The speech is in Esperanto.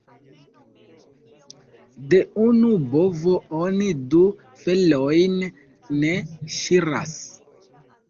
De unu bovo oni du felojn ne ŝiras.